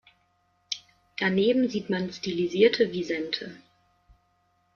Daneben sieht man stilisierte Wisente.